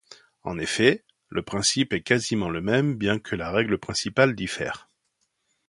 En effet, le principe est quasiment le même bien que la règle principale diffère.